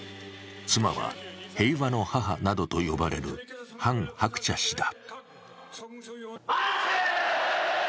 妻は平和の母などと呼ばれるハン・ハクチャ氏だ。